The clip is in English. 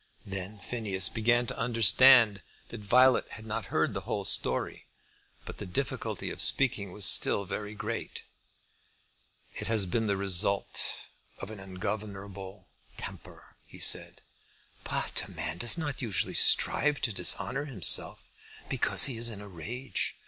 Then Phineas began to understand that Violet had not heard the whole story; but the difficulty of speaking was still very great. "It has been the result of ungovernable temper," he said. "But a man does not usually strive to dishonour himself because he is in a rage.